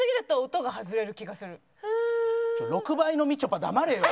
６倍のみちょぱ黙れよ！